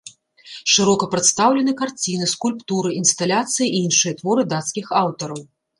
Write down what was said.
Шырока прадстаўлены карціны, скульптуры, інсталяцыі і іншыя творы дацкіх аўтараў.